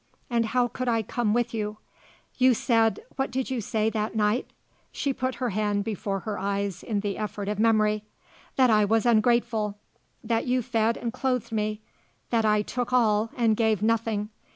And how could I come with you? You said what did you say that night?" She put her hand before her eyes in the effort of memory. "That I was ungrateful; that you fed and clothed me; that I took all and gave nothing.